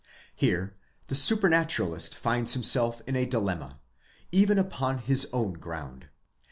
Here the supranaturalist finds himself in a dilemma, even upon his own ground.